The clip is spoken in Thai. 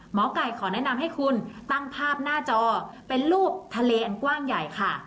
หมอไก่ขอแนะนำให้คุณตั้งภาพหน้าจอเป็นรูปทะเลอันกว้างใหญ่ค่ะ